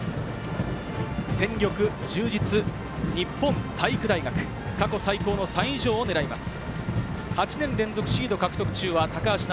戦力充実、日本体育大学は過去最高３位以上を狙います。